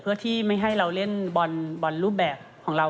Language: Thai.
เพื่อที่ไม่ให้เราเล่นบอลรูปแบบของเรา